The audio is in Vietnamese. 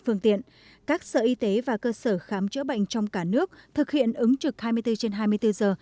phương tiện các sở y tế và cơ sở khám chữa bệnh trong cả nước thực hiện ứng trực hai mươi bốn trên hai mươi bốn giờ